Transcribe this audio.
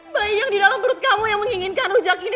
bayang di dalam perut kamu yang menginginkan rujak ini